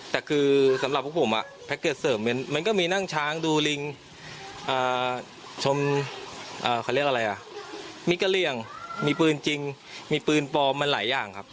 แต่คือสำหรับพวกผมแพ็กเกจเสริมมันก็มีนั่งช้างดูลิงชมเขาเรียกอะไรอ่ะมีกะเหลี่ยงมีปืนจริงมีปืนปลอมมันหลายอย่างครับ